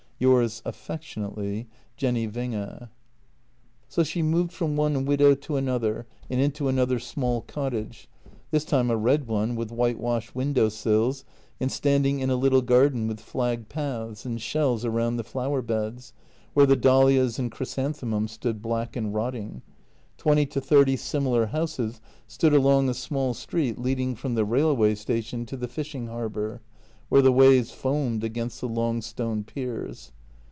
— Yours affectionately, Jenny Winge." So she moved from one widow to another, and into another small cottage — this time a red one with white washed window sills and standing in a little garden with flagged paths and shells around the flower beds, where the dahlias and chysanthe mums stood black and rotting. Twenty to thirty similar houses stood along a small street leading from the railway station to the fishing harbour, where the waves foamed against the long stone piers.